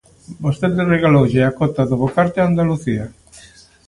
Vostede regaloulle a cota do bocarte a Andalucía.